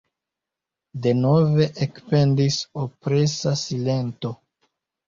Denove ekpendis opresa silento.